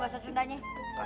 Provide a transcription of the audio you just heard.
masa cantik ada kumisnya